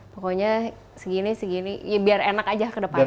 pokoknya segini segini biar enak aja ke depannya